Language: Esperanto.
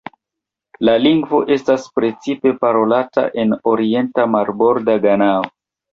La lingvo estas precipe parolata en orienta marborda Ganao.